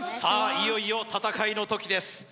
いよいよ戦いの時です